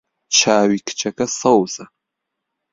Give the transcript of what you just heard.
چاوی کچەکە سەوزە.